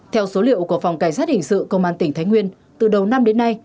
theo số liệu của phòng cảnh sát hình sự công an tỉnh thái nguyên từ đầu năm đến nay